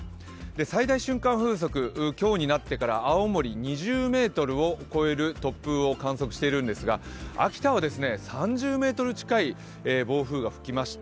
最大瞬間風速、今日になってから青森、２０メートルを超える突風を観測してるんですが秋田は３０メートル近い暴風が吹きました。